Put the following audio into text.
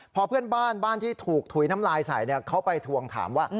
พอเพื่อนบ้านบ้านที่ถูกถุยน้ำลายใส่เขาไปทวงถามว่า